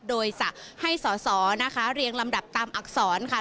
โดยจะให้สอสอนะคะเรียงลำดับตามอักษรค่ะ